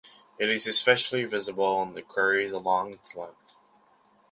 It is especially visible in the quarries along its length.